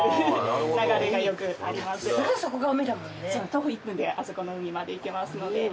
徒歩１分であそこの海まで行けますので。